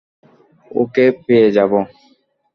ওকেই পেয়ে যাবো।